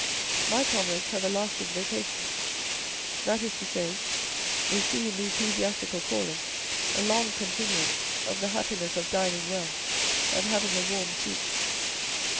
My comrades have a lasting vocation, that is to say, they see in the ecclesiastical calling a long continuance of the happiness of dining well and having a warm suit."